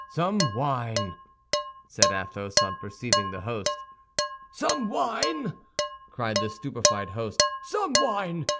"Some wine!" said Athos, on perceiving the host. "Some wine!" cried the stupefied host, "some wine?